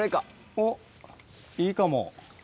おっいいかも。